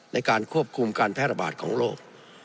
ในการควบคุมการแพร่ระบาดของโรค